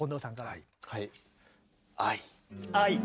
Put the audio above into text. はい。